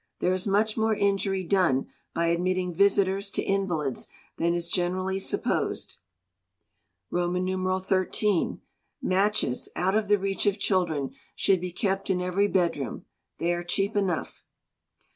There is much more injury done by admitting visitors to invalids than is generally supposed. xiii. Matches, out of the reach of children, should be kept in every bedroom. They are cheap enough.